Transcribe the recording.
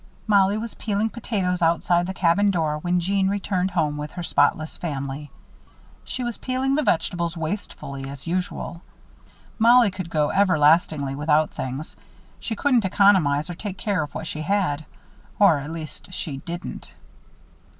Mollie was peeling potatoes outside the cabin door, when Jeanne returned home with her spotless family. She was peeling the vegetables wastefully, as usual. Mollie could go everlastingly without things; she couldn't economize or take care of what she had. Or at least she didn't.